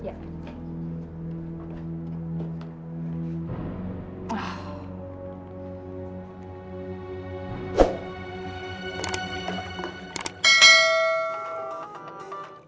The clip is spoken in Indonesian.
aduh aku harus